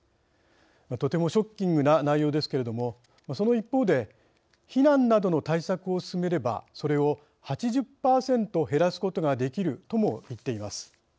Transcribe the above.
とてもショッキングな内容ですけれどもその一方で避難などの対策を進めればそれを８０％減らすことができるとも言っています。